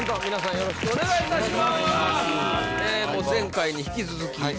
よろしくお願いします